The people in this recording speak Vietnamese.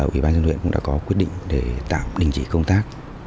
ủy ban dân huyện cũng đã có quyết định để tạm đình chỉ công tác